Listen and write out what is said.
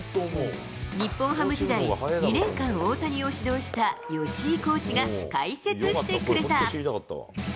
日本ハム時代、２年間、大谷を指導した吉井コーチが解説してくれた。